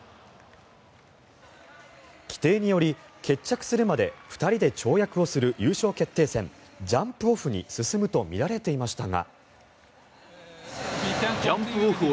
規定により決着するまで２人で跳躍をする優勝決定戦ジャンプオフに進むとみられていましたが。